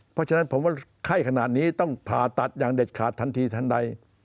เพราะฉะนั้นผมว่าไข้ขนาดนี้ต้องผ่าตัดอย่างเด็ดขาดทันทีทันใด